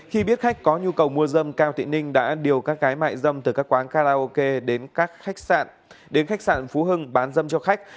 khi biết khách có nhu cầu mua dâm cao thị ninh đã điều các gái mại dâm từ các quán karaoke đến khách sạn phú hưng bán dâm cho khách